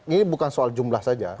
ini bukan soal jumlah saja